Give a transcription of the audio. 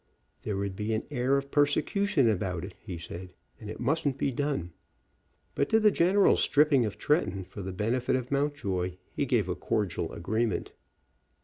"There would be an air of persecution about it," he said, "and it mustn't be done." But to the general stripping of Tretton for the benefit of Mountjoy he gave a cordial agreement.